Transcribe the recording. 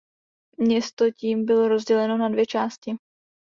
Město tím bylo rozděleno na dvě části.